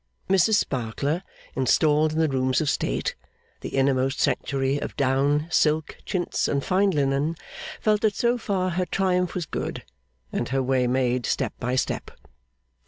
Mrs Sparkler, installed in the rooms of state the innermost sanctuary of down, silk, chintz, and fine linen felt that so far her triumph was good, and her way made, step by step.